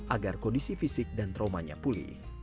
agar kondisi fisik dan traumanya pulih